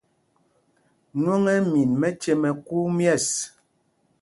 Nwɔŋ ɛ́ ɛ́ min mɛce mɛ kuu mƴɛ̂ɛs.